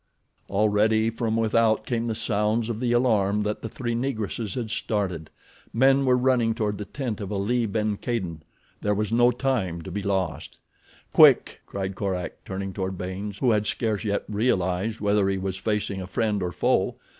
Already from without came the sounds of the alarm that the three Negresses had started. Men were running toward the tent of Ali ben Kadin. There was no time to be lost. "Quick!" cried Korak, turning toward Baynes, who had scarce yet realized whether he was facing a friend or foe.